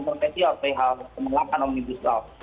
terkesial dari hal pemerintah omnibus law